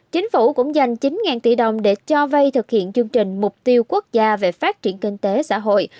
chính phủ cũng dành chín tỷ đồng để cho vay thực hiện chương trình mục tiêu quốc gia về phát triển kinh tế xã hội